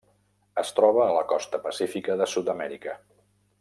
Es troba a la costa pacífica de Sud-amèrica.